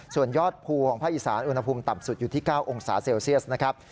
ส่วนยอดภูของภาคอีสานอุณหภูมิต่ำสุดอยู่ที่๙องศาเซลเซียสนะครับ